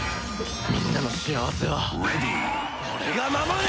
みんなの幸せは俺が守る！